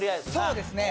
そうですね。